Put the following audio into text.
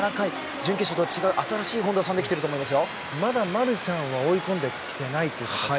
準決勝とは違う新しい本多さんできていると思います。